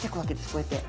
こうやって。